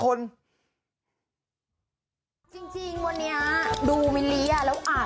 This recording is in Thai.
จริงวันนี้ดูมิลลี้อ่ะแล้ว